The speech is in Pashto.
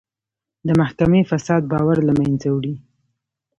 د محکمې فساد باور له منځه وړي.